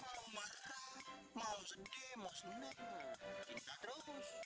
mau marah mau sedih mau sembuh cinta terus